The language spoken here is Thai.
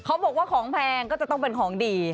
เขาบอกว่าของแพงก็จะต้องเป็นของดี